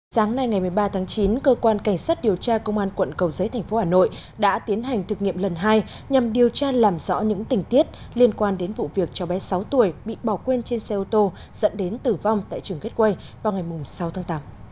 sáng nay ngày một mươi ba tháng chín cơ quan cảnh sát điều tra công an quận cầu giấy thành phố hà nội đã tiến hành thực nghiệm lần hai nhằm điều tra làm rõ những tình tiết liên quan đến vụ việc cho bé sáu tuổi bị bỏ quên trên xe ô tô dẫn đến tử vong tại trường gateway vào ngày sáu tháng tám